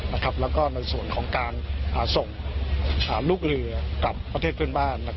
แล้วก็ในส่วนของการส่งลูกเรือกลับประเทศเพื่อนบ้าน